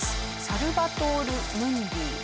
『サルバトール・ムンディ』。